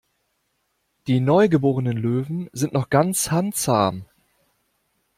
Die neugeborenen Löwen sind noch ganz handzahm.